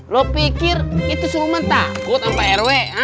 lu pikir itu siluman takut sama pak rw